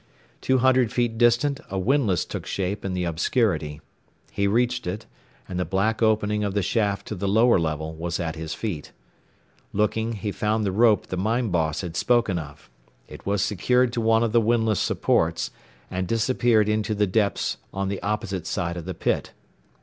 Two hundred feet distant a windlass took shape in the obscurity. He reached it, and the black opening of the shaft to the lower level was at his feet. Looking, he found the rope the mine boss had spoken of. It was secured to one of the windlass supports, and disappeared into the depths on the opposite side of the pit.